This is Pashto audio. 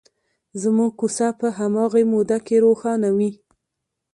زموږ کوڅه په هماغې موده کې روښانه وي.